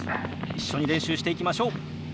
一緒に練習していきましょう。